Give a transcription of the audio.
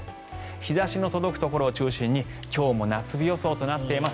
日差しの届くところを中心に今日も夏日予想となっています。